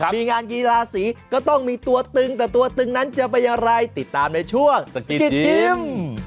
มีงานกีฬาสีก็ต้องมีตัวตึงแต่ตัวตึงนั้นจะเป็นอย่างไรติดตามในช่วงสกิดกิน